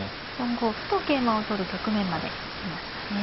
４五歩と桂馬を取る局面まで行きましたね。